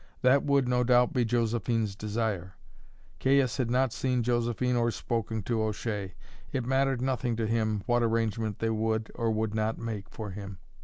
That would, no doubt, be Josephine's desire. Caius had not seen Josephine or spoken to O'Shea; it mattered nothing to him what arrangement they would or would not make for him.